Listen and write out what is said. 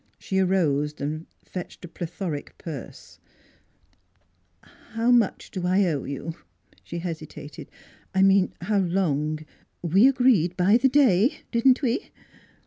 She arose and fetched a plethoric purse. 88 NEIGHBORS "How much do I owe you?" she hesitated. " I mean how long we agreed by the day, didn't we?"